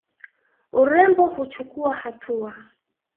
Urembo huchukuwa hatua.